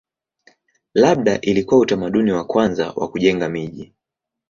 Labda ilikuwa utamaduni wa kwanza wa kujenga miji.